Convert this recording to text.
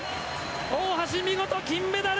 大橋、見事金メダル！